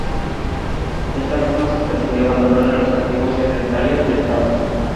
De esta forma se pretendió abandonar a los antiguos Secretarios de Estado.